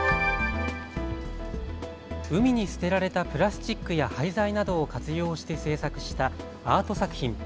海に捨てられたプラスチックや廃材などを活用して制作したアート作品。